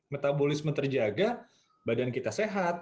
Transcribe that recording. metabolisme terjaga badan kita sehat